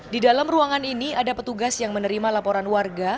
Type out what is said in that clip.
di dalam ruangan ini ada petugas yang menerima laporan warga